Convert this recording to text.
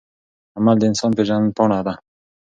عمل د انسان پیژندپاڼه ده.